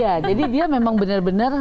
ya jadi dia memang benar benar